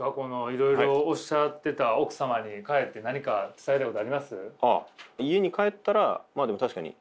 いろいろおっしゃってた奥様に帰って何か伝えたいことあります？